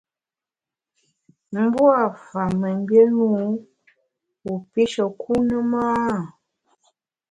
Mbua’ fa mengbié ne wu wu pishe kun ne ma ?